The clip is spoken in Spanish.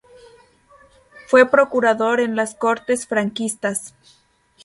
Fue procurador en las Cortes franquistas.